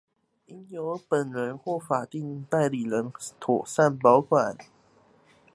應由本人或法定代理人妥善保管